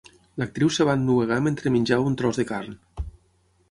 L'actriu es va ennuegar mentre menjava un tros de carn.